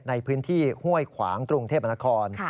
ในพื้นที่ห้วยขวางกรุงเทพนคร